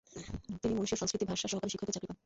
তিনি মুন্সি ও সংস্কৃত ভাষার সহকারী শিক্ষকের চাকরি পান।